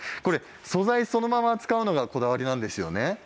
素材そのまま使うのがこだわりなんですよね。